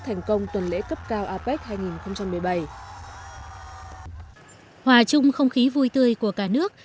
thành công tuần lễ cấp cao apec hai nghìn một mươi bảy hòa chung không khí vui tươi của cả nước